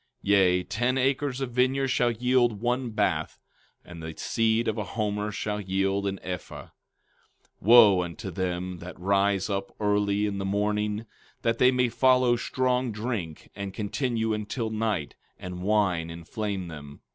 15:10 Yea, ten acres of vineyard shall yield one bath, and the seed of a homer shall yield an ephah. 15:11 Wo unto them that rise up early in the morning, that they may follow strong drink, that continue until night, and wine inflame them!